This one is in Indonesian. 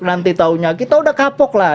nanti taunya kita udah kapok lah